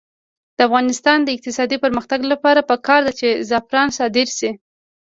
د افغانستان د اقتصادي پرمختګ لپاره پکار ده چې زعفران صادر شي.